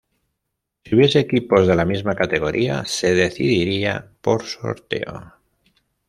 Si hubiese equipos de la misma categoría, se decidiría por sorteo.